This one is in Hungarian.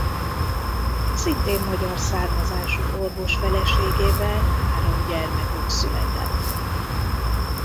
Szintén magyar származású orvos feleségével három gyermekük született.